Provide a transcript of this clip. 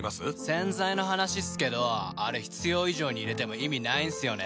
洗剤の話っすけどあれ必要以上に入れても意味ないんすよね。